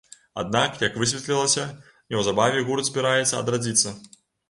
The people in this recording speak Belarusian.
Аднак, як высветлілася, неўзабаве гурт збіраецца адрадзіцца.